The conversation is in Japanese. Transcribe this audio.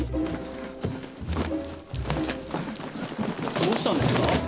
どうしたんですか？